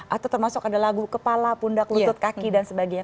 atau termasuk ada lagu kepala pundak lutut kaki dan sebagainya